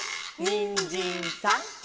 「にんじんさん」